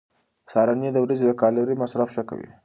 سهارنۍ د ورځې د کالوري مصرف ښه کوي.